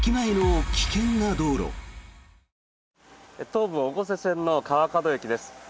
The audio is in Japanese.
東武越生線の川角駅です。